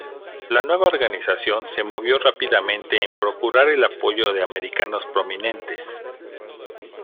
La nueva organización se movió rápidamente en procurar el apoyo de americanos prominentes.